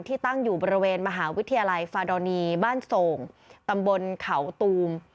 ตั้งอยู่บริเวณมหาวิทยาลัยฟาดอนีบ้านโศ่งตำบลเขาตูม